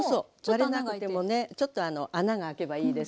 割れなくてもねちょっと穴が開けばいいですからね。